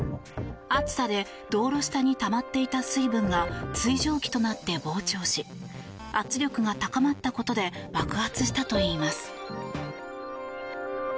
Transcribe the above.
暑さで道路下にたまっていた水分が水蒸気となって膨張し圧力が高まったことで爆発したといいます。